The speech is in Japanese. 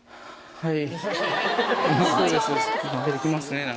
はい。